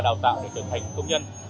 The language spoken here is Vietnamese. đào tạo để trở thành công nhân